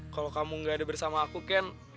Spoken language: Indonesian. kalau kamu gak ada bersama aku ken